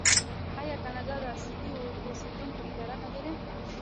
آیا کاناډا د اصلي اوسیدونکو اداره نلري؟